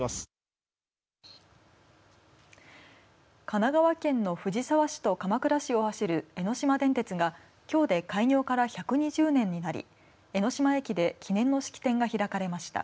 神奈川県の藤沢市と鎌倉市を走る江ノ島電鉄が、きょうで開業から１２０年になり江ノ島駅で記念の式典が開かれました。